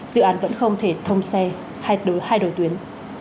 dự án vẫn không thể thông xe hay đối hai đầu tuyến